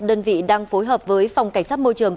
đơn vị đang phối hợp với phòng cảnh sát môi trường